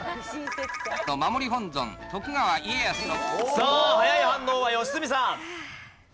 さあ早い反応は良純さん。